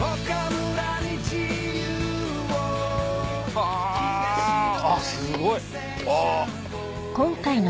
はぁあっすごい。